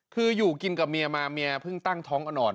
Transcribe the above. คืออยู่กินกับเมียมาเมียเพิ่งตั้งท้องอ่อน